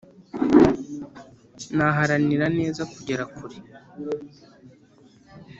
naharanira neza kugera kure